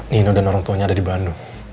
nino dan orang tuanya ada di bandung